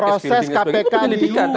proses kpk itu itu punya lidikan